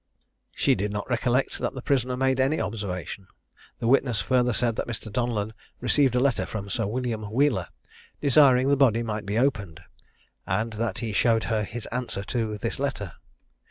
She did not recollect that the prisoner made any observation. The witness further said that Mr. Donellan received a letter from Sir William Wheeler, desiring the body might be opened, and that he showed her his answer to this letter.